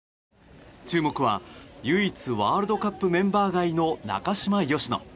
注目は唯一ワールドカップメンバー外の中嶋淑乃。